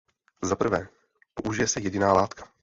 Za prvé, použije se jediná látka.